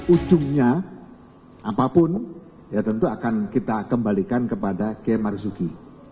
ujungnya apapun ya tentu akan kita kembalikan kepada k marzuki